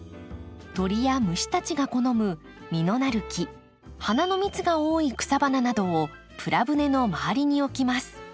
鳥や虫たちが好む実のなる木花の蜜が多い草花などをプラ舟の周りに置きます。